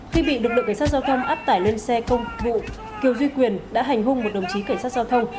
khi bị lực lượng cảnh sát giao thông áp tải lên xe công vụ kiều duy quyền đã hành hung một đồng chí cảnh sát giao thông